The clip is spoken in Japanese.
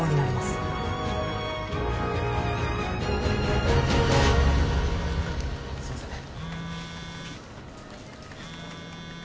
すいません